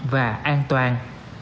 và an toàn